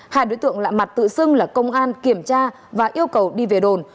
hai đối tượng lạ mặt tự xưng là công an kiểm tra và yêu cầu đi về đồn